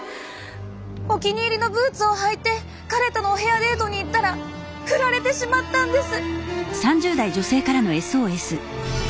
お気に入りのブーツを履いて彼とのお部屋デートに行ったらふられてしまったんです。